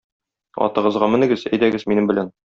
Атыгызга менегез, әйдәгез минем белән.